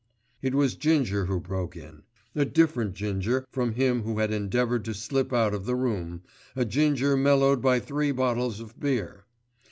It was Ginger who broke in. A different Ginger from him who had endeavoured to slip out of the room, a Ginger mellowed by three bottles of beer.